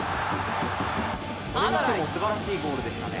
それにしてもすばらしいゴールでしたね。